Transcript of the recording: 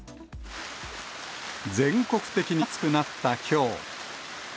全国的に暑くなったきょう。